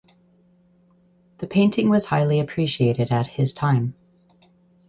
The painting was highly appreciated at his time.